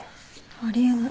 あり得ない。